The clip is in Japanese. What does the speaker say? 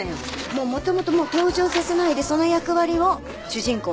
もうもともと登場させないでその役割を主人公。